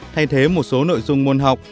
thay thế một số nội dung môn học